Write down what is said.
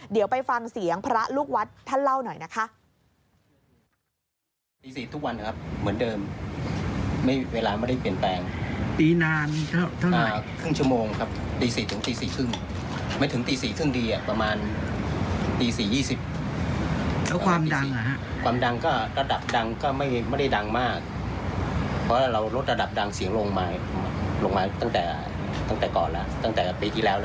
เดี๋ยวไปฟังเสียงพระลูกวัดท่านเล่าหน่อยนะคะ